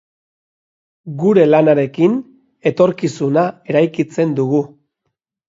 Gure lanarekin etorkizuna eraikitzen dugu.